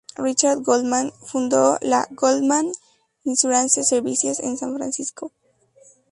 Richard Goldman fundó la "Goldman Insurance Services" en San Francisco.